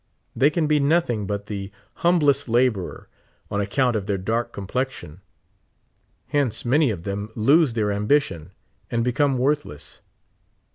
They can be nothing but the humblest laborer, on account of their dark com plexion ; hence many of them lose their ambition, and become worthless.